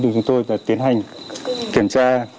thì chúng tôi tiến hành kiểm tra